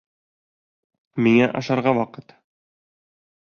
Миңә ашарға ваҡыт!